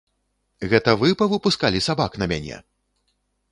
Гэта вы павыпускалі сабак на мяне?!